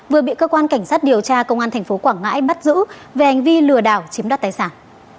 vừa bị cơ quan cảnh sát điều tra công an tp quảng ngãi bắt giữ về hành vi lừa đảo chiếm đoạt tài sản